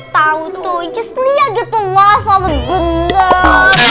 tau tuh iya liat gitu loh salah bener